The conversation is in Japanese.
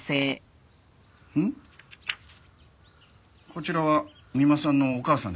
こちらは三馬さんのお母さんですか？